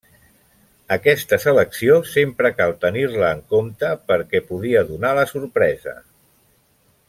Aquesta selecció sempre cal tenir-la en compte perquè podia donar la sorpresa.